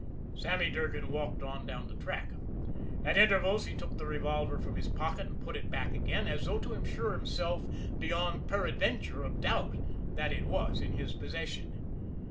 Sammy Durgan walked on down the track. At intervals he took the revolver from his pocket and put it back again, as though to assure himself beyond peradventure of doubt that it was in his possession.